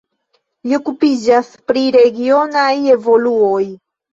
Li okupiĝas pri regionaj evoluoj.